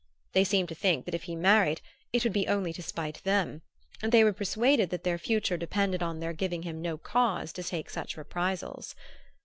They seemed to think that if he married it would be only to spite them; and they were persuaded that their future depended on their giving him no cause to take such reprisals.